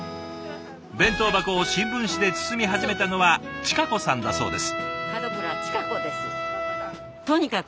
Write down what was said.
弁当箱を新聞紙で包み始めたのは親子さんだそうです。